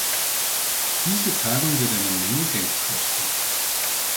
Diese Tagung wird eine Menge Geld kosten.